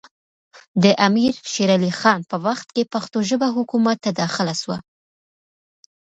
د امیر شېر علي خان په وخت کې پښتو ژبه حکومت ته داخله سوه